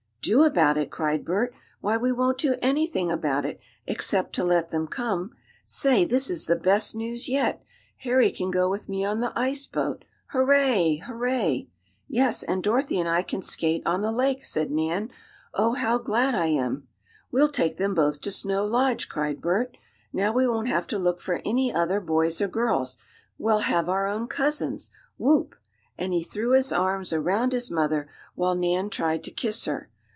"Do about it?" cried Bert. "Why, we won't do anything about it, except to let them come. Say, this is the best news yet! Harry can go with me on the ice boat. Hurray! Hurray!" "Yes, and Dorothy and I can skate on the lake!" said Nan. "Oh, how glad I am!" "We'll take them both to Snow Lodge!" cried Bert. "Now we won't have to look for any other boys or girls. Well have our own cousins! Whoop!" and he threw his arms around his mother, while Nan tried to kiss her.